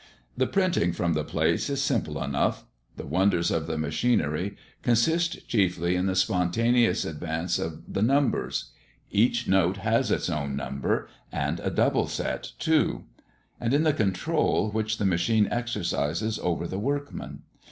The printing from the plates is simple enough. The wonders of the machinery consist chiefly in the spontaneous advance of the numbers (each note has its own number, and a double set too), and in the control which the machine exercises over the workmen.